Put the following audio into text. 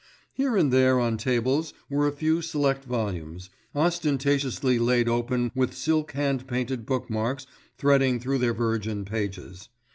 Here and there on tables were a few select volumes, ostentatiously laid open with silk hand painted bookmarks threading through their virgin pages.